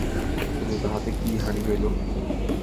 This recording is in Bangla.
কিন্তু তাহাতে কী হানি হইল।